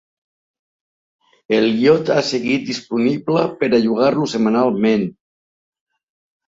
El iot ha seguit disponible per a llogar-lo setmanalment.